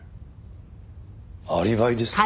アリバイですか？